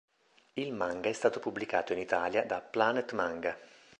Il manga è stato pubblicato in Italia da Planet Manga.